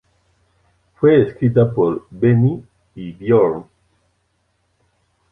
Fue escrita por Benny y Björn.